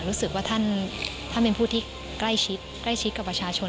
รู้สึกว่าท่านเป็นผู้ที่ใกล้ชิดใกล้ชิดกับประชาชน